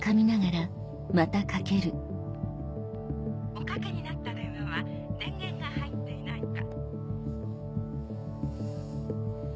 おかけになった電話は電源が入っていないか。